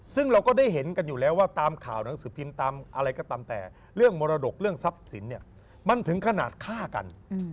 ซึ่งเราก็ได้เห็นกันอยู่แล้วว่าตามข่าวหนังสือพิมพ์ตามอะไรก็ตามแต่เรื่องมรดกเรื่องทรัพย์สินเนี่ยมันถึงขนาดฆ่ากัน